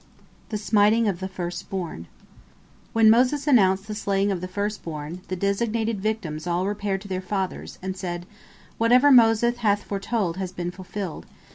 THE SMITING OF THE FIRST BORN When Moses announced the slaying of the first born, the designated victims all repaired to their fathers, and said: "Whatever Moses hath foretold has been fulfilled.